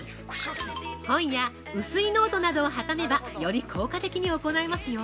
◆本や薄いノートなどを挟めばより効果的に行えますよ。